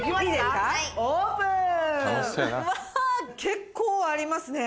結構ありますね。